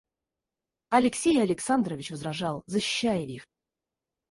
Алексей Александрович возражал, защищая их.